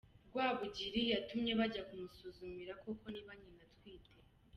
Rwabugili yatumye abajya kumusuzumira koko niba nyina atwite.